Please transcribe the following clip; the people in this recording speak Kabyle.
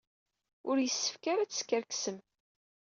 Ur yessefk ara ad teskerksem.